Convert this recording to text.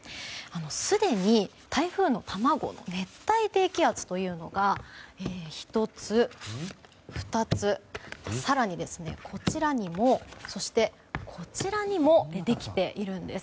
すでに台風の卵熱帯低気圧というのが１つ、２つ、更にこちらにもそして、こちらにもできているんです。